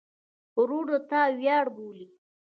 ورور د تا ویاړ بولې.